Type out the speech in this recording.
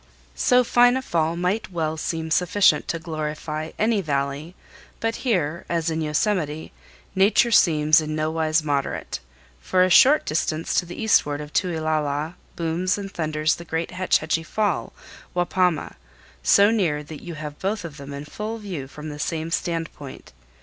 So fine a fall might well seem sufficient to glorify any valley; but here, as in Yosemite, Nature seems in nowise moderate, for a short distance to the eastward of Tueeulala booms and thunders the great Hetch Hetchy Fall, Wapama, so near that you have both of them in full view from the same standpoint.